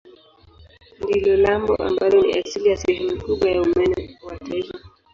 Ndilo lambo ambalo ni asili ya sehemu kubwa ya umeme wa taifa.